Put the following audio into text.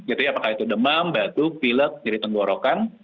apakah itu demam batuk pilek jadi tenggorokan